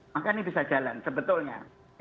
maka ini bisa jalan sebetulnya